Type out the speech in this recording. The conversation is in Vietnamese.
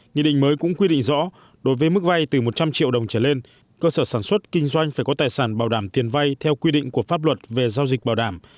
nghị định mới cũng quy định rõ đối với mức vay từ một trăm linh triệu đồng trở lên cơ sở sản xuất kinh doanh phải có tài sản bảo đảm tiền vay theo quy định của pháp luật về giao dịch bảo đảm